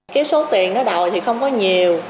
cái số tiền nó đòi thì không có nhiều